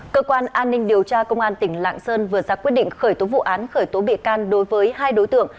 cơ quan an ninh điều tra công an tỉnh lạng sơn vừa ra quyết định khởi tố vụ án khởi tố bị can đối với hai đối tượng